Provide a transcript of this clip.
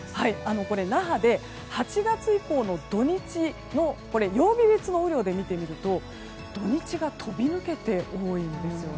那覇で８月以降の曜日別の雨量で見てみると土日がとび抜けて多いんです。